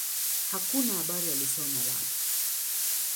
Hakuna habari alisoma wapi.